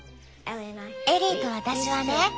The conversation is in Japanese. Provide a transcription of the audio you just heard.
エリーと私はね